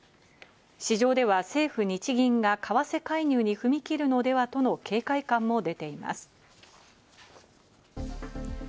市場では政府・日銀が為替介入に踏み切るのではとの警戒感も出ています。